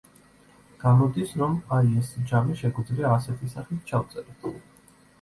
გამოდის, რომ, აი, ეს ჯამი შეგვიძლია ასეთი სახით ჩავწეროთ.